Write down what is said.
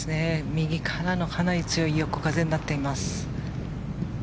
右からのかなり強い横風になっています。